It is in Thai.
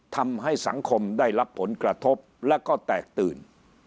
ทำให้สังคมได้รับผลกระทบและก็แตกตื่น